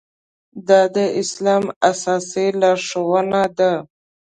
دا د اسلام اساسي لارښوونه ده.